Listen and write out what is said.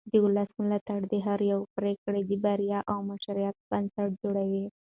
د ولس ملاتړ د هرې پرېکړې د بریا او مشروعیت بنسټ جوړوي